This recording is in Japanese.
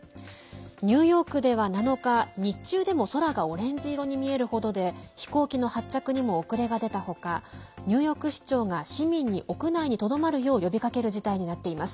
ニューヨークでは７日、日中でも空がオレンジ色に見える程で飛行機の発着にも遅れが出た他ニューヨーク市長が市民に屋内にとどまるよう呼びかける事態になっています。